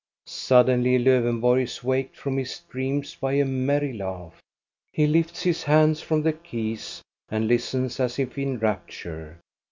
Suddenly Lowenborg is waked from his dreams by a merry laugh. He lifts his hands from the keys and listens as if in rapture.